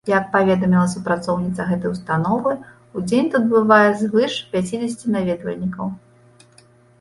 Як паведаміла супрацоўніца гэтай установы, у дзень тут бывае звыш пяцідзесяці наведвальнікаў.